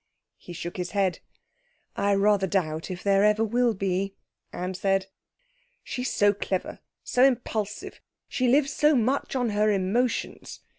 He shook his head. 'I rather doubt if there ever will be,' Anne said. 'She's so clever, so impulsive! She lives so much on her emotions.